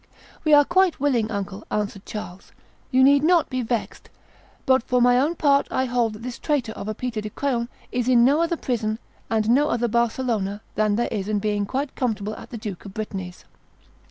"We are quite willing, uncle," answered Charles: "you need not be vexed; but for my own part I hold that this traitor of a Peter de Craon is in no other prison and no other Barcelona than there is in being quite comfortable at the Duke of Brittany's."